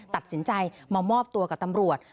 ตัดสินใจมามอบตัวกับตำรวจ